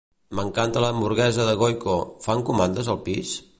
M'encanta l'hamburguesa de Goiko, fan comandes al pis?